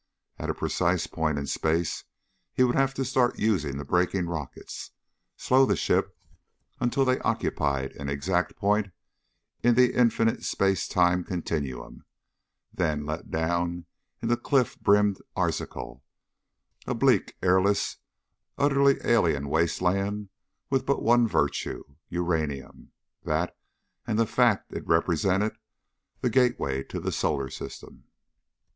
At a precise point in space he would have to start using the braking rockets, slow the ship until they occupied an exact point in the infinite space time continuum, then let down into cliff brimmed Arzachel, a bleak, airless, utterly alien wasteland with but one virtue: Uranium. That and the fact that it represented the gateway to the Solar System.